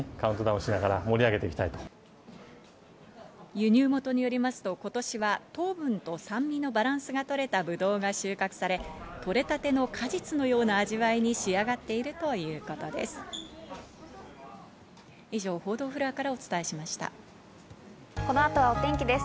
輸入元によりますと、今年は糖分と酸味のバランスが取れたぶどうが収穫され、採れたての果実のような味わいに仕上がっているということです。